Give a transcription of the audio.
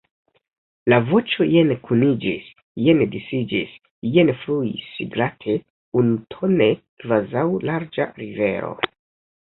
La voĉo jen kuniĝis, jen disiĝis, jen fluis glate, unutone, kvazaŭ larĝa rivero.